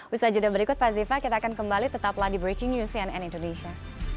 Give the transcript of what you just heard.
wisayada berikut fazifa kita akan kembali tetaplah di breaking news cnn indonesia